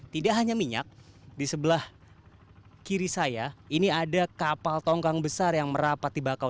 tidak hanya minyak di sebelah kiri saya ini ada kapal tongkang besar yang merapat di bakau